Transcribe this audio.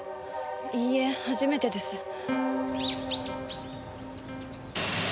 いいえ初めてです。